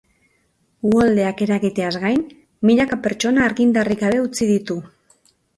Uholdeak eragiteaz gain, milaka pertsona argindarrik gabe utzi ditu.